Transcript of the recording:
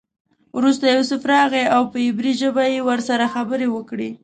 وروسته یوسف راغی او په عبري ژبه یې ورسره خبرې وکړې.